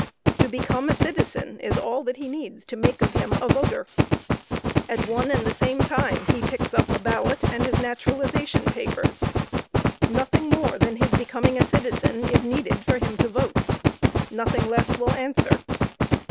To become a citizen, is all that he needs to make of him a voter. At one and the same time he picks up a ballot, and his naturalization papers. Nothing more than his becoming a citizen is needed for him to vote nothing less will answer.